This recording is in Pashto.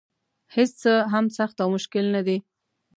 هېڅ څه هم سخت او مشکل نه دي.